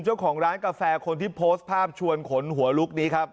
เจ้าของร้านกาแฟคนที่โพสต์ภาพชวนขนหัวลุกนี้ครับ